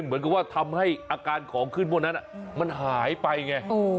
เหมือนกับว่าทำให้อาการของขึ้นพวกนั้นมันหายไปไง